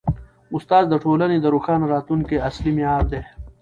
استاد د ټولني د روښانه راتلونکي اصلي معمار دی.